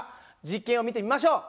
実験を見てみましょう。